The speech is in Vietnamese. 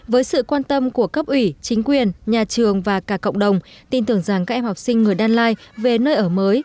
với sự quan tâm của cấp ủy chính quyền nhà trường và cả cộng đồng tin tưởng rằng các em học sinh người đan lai về nơi ở mới